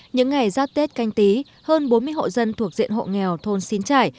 những ngày giáp tết canh tí hơn bốn mươi hộ dân thuộc diện hộ nghèo thôn xín trải